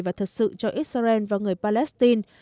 và thật sự cho israel và người palestine